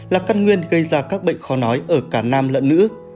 là cắt nguyên gây ra các bệnh khó nói ở cả nam lẫn nữ